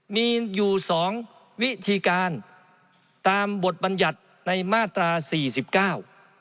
มีอยู่สองวิธีการตามบทบัญญัติในมาตราสี่สิบเก้า